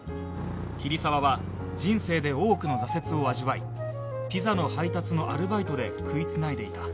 桐沢は人生で多くの挫折を味わいピザの配達のアルバイトで食い繋いでいた